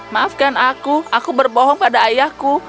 maafkan aku aku berbohong pada ayahku